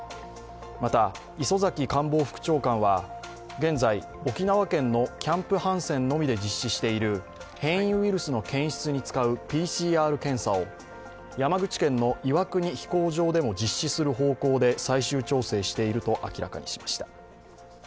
また、磯崎官房副長官は現在、沖縄県のキャンプ・ハンセンのみで実施している変異ウイルスの検出に使うＰＣＲ検査を山口県の岩国飛行場でも実施する方向で最終調整していると明らかにしました。